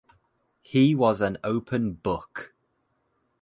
He was an open book.